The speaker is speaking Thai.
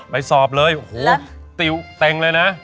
ไปสอบเลยโอ้โหติวเต็งเลยนะ